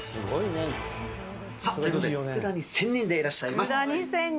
さあ、ということでつくだ煮仙人でいらっしゃいます、つくだ煮仙人。